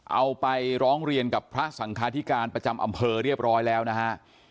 เอาไปร้องเรียนกับพระสังคาธิการประจำอำเภอเรียบร้อยแล้วนะฮะ